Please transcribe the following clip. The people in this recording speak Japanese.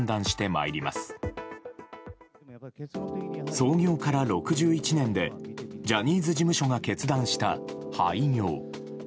創業から６１年でジャニーズ事務所が決断した廃業。